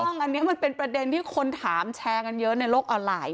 ถูกต้องอันนี้มันเป็นประเด็นที่คนถามแชร์กันเยอะในโลกออนไลน์